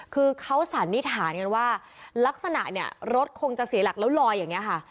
คือเขาสันนิษฐานกันว่าลักษณะเนี่ยรถคงจะเสียหลักแล้วลอยอย่างนี้ค่ะ